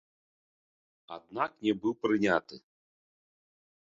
Аднак не быў прыняты.